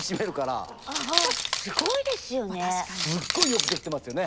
すっごいよくできてますよね。